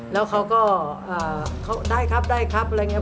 แล้วเขาก็ได้ครับได้ครับอะไรอย่างนี้